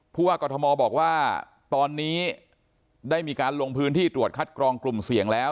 ผู้ว่ากรทมบอกว่าตอนนี้ได้มีการลงพื้นที่ตรวจคัดกรองกลุ่มเสี่ยงแล้ว